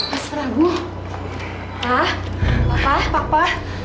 mas prabu ah ah ah papa